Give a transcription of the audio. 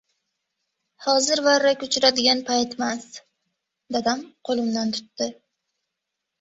Hozir varrak uchiradigan paytmas! - Dadam qo‘limdan tutdi.